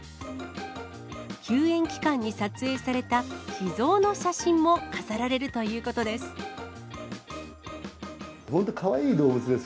休園期間に撮影された秘蔵の写真も飾られるということです。